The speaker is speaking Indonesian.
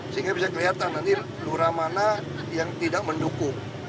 sehingga bisa kelihatan nanti lurah mana yang tidak mendukung